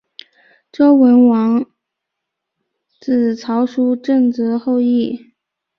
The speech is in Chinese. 周文王子曹叔振铎后裔。